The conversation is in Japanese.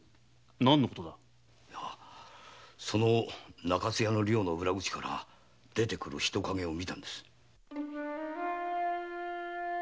その中津屋の寮の裏口から出てくる人を見たのです。